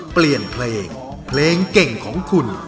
เปลี่ยนเพลงเพลงเก่งของคุณ